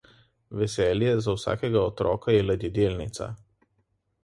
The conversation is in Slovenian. Veselje za vsakega otroka je ladjedelnica.